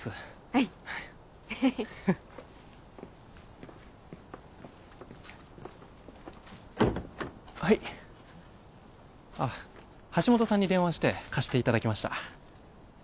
はいはいあっ橋本さんに電話して貸していただきました